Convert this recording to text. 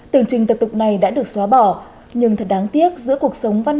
tường trình tập tục này đã được xóa bỏ nhưng thật đáng tiếc giữa cuộc sống văn minh